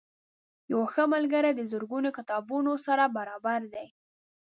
یو ښه ملګری د زرګونو کتابتونونو سره برابر دی.